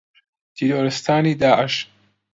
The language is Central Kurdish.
تیرۆریستانی داعش